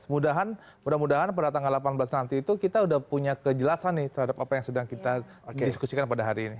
mudah mudahan pada tanggal delapan belas nanti itu kita sudah punya kejelasan nih terhadap apa yang sedang kita diskusikan pada hari ini